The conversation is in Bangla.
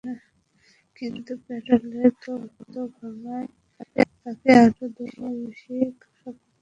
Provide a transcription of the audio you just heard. কিন্তু প্যারোলের শর্ত ভাঙায় তাঁকে আরও দুই মাস বেশি কারাভোগ করতে হবে।